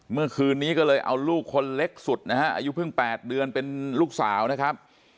เมื่อคืนนี้ก็เลยเอาลูกคนเล็กสุดนะฮะอายุเพิ่ง๘เดือนเป็นลูกสาวนะครับ